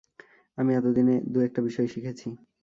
আমি এতদিনে দু-একটা বিষয় শিখেছি।